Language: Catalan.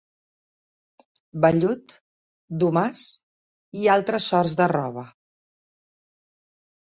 Vellut, domàs i altres sorts de roba.